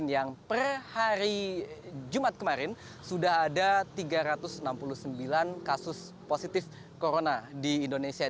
yang per hari jumat kemarin sudah ada tiga ratus enam puluh sembilan kasus positif corona di indonesia